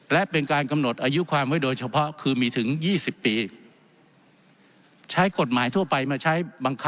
และเป็นการกำหนดอายุความไว้โดยเฉพาะคือมีถึง๒๐ปี